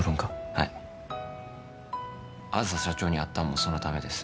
はい梓社長に会ったんもそのためです